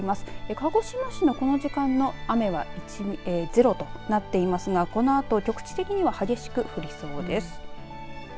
鹿児島市のこの時間の雨はゼロとなっていますがこのあと局地的には激しく降りそうです。